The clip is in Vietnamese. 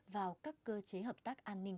vào các cơ chế hợp tác an ninh